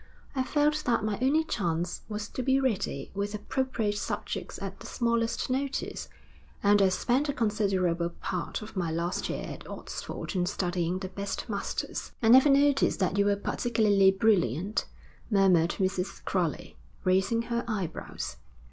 I felt that my only chance was to be ready with appropriate subjects at the smallest notice, and I spent a considerable part of my last year at Oxford in studying the best masters.' 'I never noticed that you were particularly brilliant,' murmured Mrs. Crowley, raising her eyebrows.